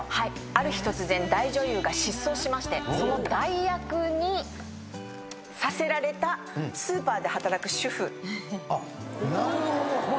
ある日突然大女優が失踪しましてその代役にさせられたスーパーで働く主婦の物語。